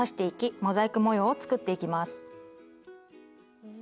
モザイク模様を作っていきます。